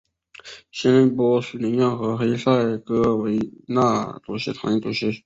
现任波斯尼亚和黑塞哥维那主席团主席。